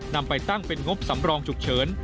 นำไปตั้งเป็นงบสำรองฉุกเฉิน